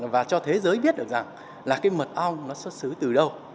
và cho thế giới biết được rằng là cái mật ong nó xuất xứ từ đâu